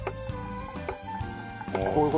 こういう事？